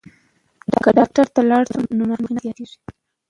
که ډاکټر ته لاړ شو نو ناروغي نه زیاتیږي.